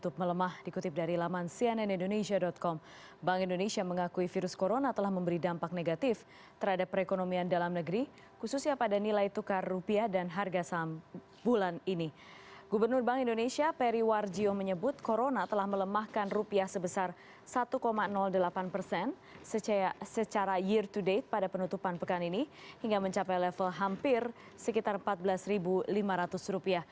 satu delapan persen secara year to date pada penutupan pekan ini hingga mencapai level hampir sekitar rp empat belas lima ratus